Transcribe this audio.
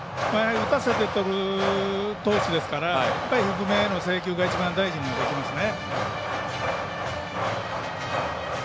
打たせてとる投手ですから低めへの制球が一番大事になってきますね。